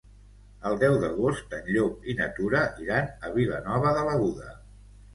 El deu d'agost en Llop i na Tura iran a Vilanova de l'Aguda.